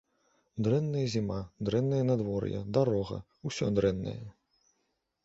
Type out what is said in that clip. Дрэнная зіма, дрэннае надвор'е, дарога, усё дрэннае!